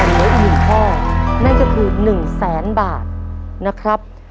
อันนี้คืออย่างไรแต่ละอีกข้อนั่นก็คือหนึ่งแสนบาทนะครับ